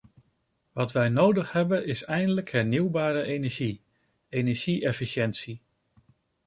Wat wij nodig hebben is eindelijk hernieuwbare energie, energie-efficiëntie.